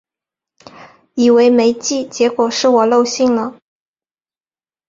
以为没寄，结果是我漏信了